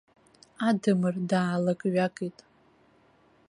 Адамыр даалакҩакит.